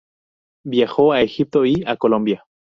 Viajó a Egipto y a Colombia.